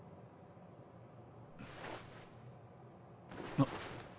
あっ。